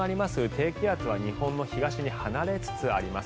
低気圧は日本の東に離れつつあります。